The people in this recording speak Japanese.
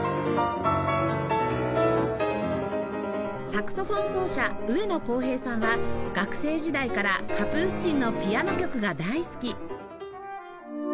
サクソフォン奏者上野耕平さんは学生時代からカプースチンのピアノ曲が大好き